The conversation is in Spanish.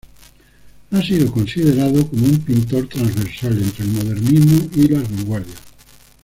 Ha sido considerado como un pintor transversal entre el modernismo y las vanguardias.